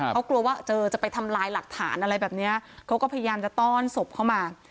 เขากลัวว่าเจอจะไปทำลายหลักฐานอะไรแบบนี้เขาก็พยายามจะต้อนศพเข้ามา